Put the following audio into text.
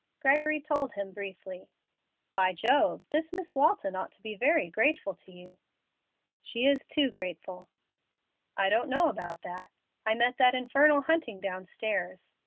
Gregory told him briefly. "By Jove! this Miss Walton ought to be very grateful to you." "She is too grateful." "I don't know about that. I met that infernal Hunting downstairs.